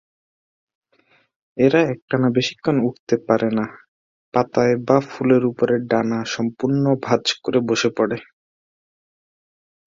এরা একটানা বেশিক্ষণ উড়তে পারে না, পাতায় বা ফুলের উপর ডানা সম্পূর্ণ ভাঁজ করে বসে পড়ে।